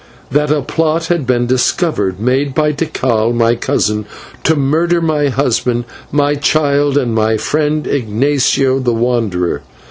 That a plot had been discovered, made by Tikal, my cousin, to murder my husband, my child, and my friend, Ignatio the Wanderer.